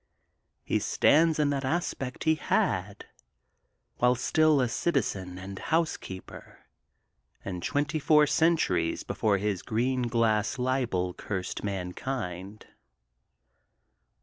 He stands in that aspect he had, while still a citizen and householder, and twenty four centuries before his green glass libel cursed mankind.